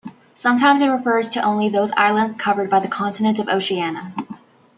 Sometimes it refers to only those islands covered by the continent of Oceania.